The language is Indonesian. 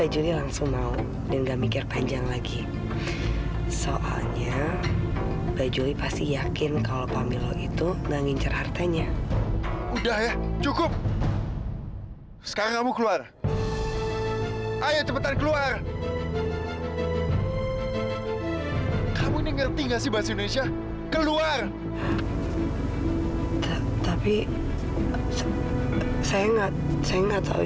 jadi aku nggak perlu kasar sama kamu